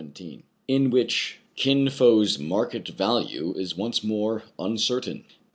IN WHICH KIN FO'S MARKET VALUE IS ONCE MORE UNCERTAIN.